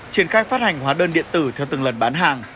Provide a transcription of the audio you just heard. triển khai phát hành hóa đơn điện tử theo từng lần bán hàng